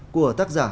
của tác giả